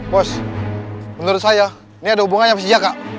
boss menurut saya ini ada hubungannya sama si jaka